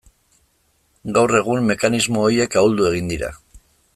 Gaur egun mekanismo horiek ahuldu egin dira.